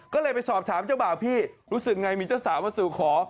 ก็เลยไปสอบถามเจ้าบ่าวพี่รู้สึกไงมีเจ้าสาวมาสู่ขอ